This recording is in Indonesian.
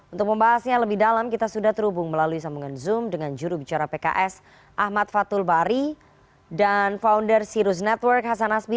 untuk membahasnya lebih dalam kita sudah terhubung melalui sambungan zoom dengan juru bicara pks ahmad fatul bari dan founder sirus network hasan asbi